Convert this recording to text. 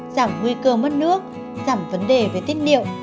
giảm nguy cơ mất nước giảm vấn đề về tiết niệu